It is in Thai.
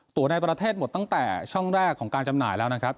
ตัวในประเทศหมดตั้งแต่ช่องแรกของการจำหน่ายแล้วนะครับ